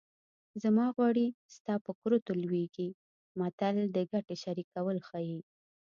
زما غوړي ستا په کورتو لوېږي متل د ګټې شریکول ښيي